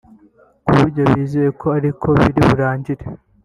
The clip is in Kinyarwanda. ku buryo bizeye ko ariko biri burangire